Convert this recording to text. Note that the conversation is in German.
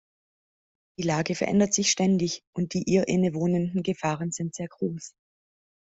Die Lage verändert sich ständig, und die ihr innewohnenden Gefahren sind sehr groß.